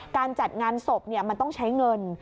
การจัดงานศพมันต้องใช้เงิน